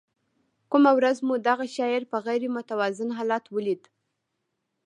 کومه ورځ مو دغه شاعر په غیر متوازن حالت ولید.